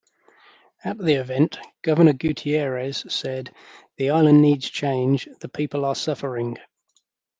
At the event, Governor Gutierrez said, The island needs change; the people are suffering.